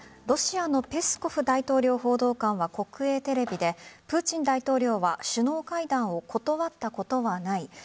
ロシアのペスコフ大統領報道官は国営テレビでプーチン大統領は首脳会談を断ったことはない。